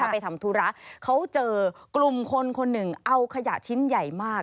ไปทำธุระเขาเจอกลุ่มคนคนหนึ่งเอาขยะชิ้นใหญ่มาก